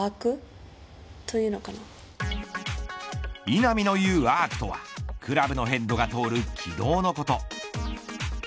稲見のいうアークとはクラブのヘッドが通る軌道のこと。